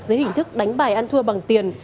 dưới hình thức đánh bài ăn thua bằng tiền